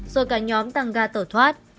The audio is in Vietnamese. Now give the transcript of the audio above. rồi cả nhóm tăng ga tẩu thoát